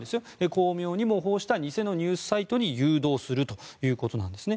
巧妙に模倣した偽のニュースサイトに誘導するということなんですね。